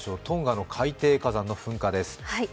トンガの海底火山の噴火です。